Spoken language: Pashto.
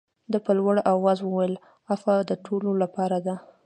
ده په لوړ آواز وویل عفوه د ټولو لپاره ده.